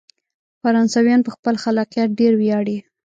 فرانسویان په خپل خلاقیت ډیر ویاړي.